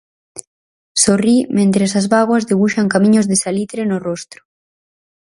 Sorrí mentres as bágoas debuxan camiños de salitre no rostro.